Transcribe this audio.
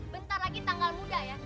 bentar lagi tanggal muda ya